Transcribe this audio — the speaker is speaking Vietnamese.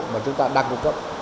mà chúng ta đặt cung cấp